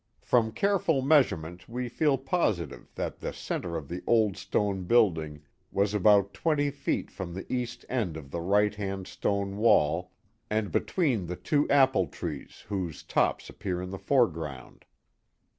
From careful measurement we feel positive that the centre of the old stone building was about twenty feet from the east end of the right hand stone wail, and between the two apple trees whose tops appear in the foreground.